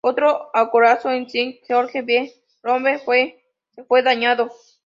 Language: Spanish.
Otro acorazado, "King George V" o "Renown", se fue dañado.